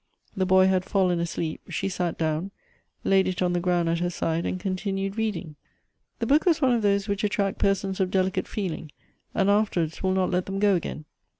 The boy had fallen asleep ; she sat down ; laid it on the ground at her side, and con tinued reading. The book was one of those which attract persons of delicate feeling, and afterwards will not let them go again.